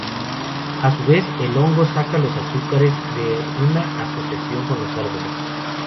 A su vez el hongo saca los azúcares de una asociación con los árboles.